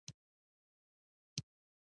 خولۍ د جنرالانو نښه هم ګڼل شوې.